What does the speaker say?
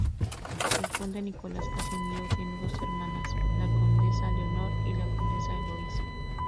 El conde Nicolás Casimiro tiene dos hermanas, la condesa Leonor y la condesa Eloísa.